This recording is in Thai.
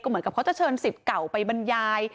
เหมือนกับเขาจะเชิญสิทธิ์เก่าไปบรรยาย